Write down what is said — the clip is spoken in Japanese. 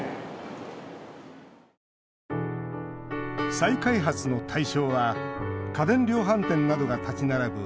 再開発の対象は家電量販店などが立ち並ぶ